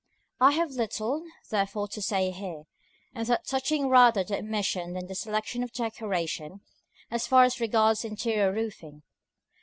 § III. I have little, therefore, to say here, and that touching rather the omission than the selection of decoration, as far as regards interior roofing.